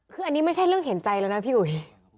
คืออันนี้ไม่ใช่เรื่องเห็นใจแล้วนะพี่อุ๋ย